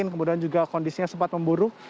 kemudian juga kondisinya sempat memburuk